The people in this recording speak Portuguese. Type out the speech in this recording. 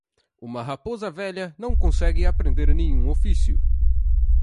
Uma raposa velha não consegue aprender nenhum ofício.